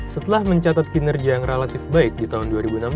setelah mencatat kinerja yang relatif baik di tahun dua ribu enam belas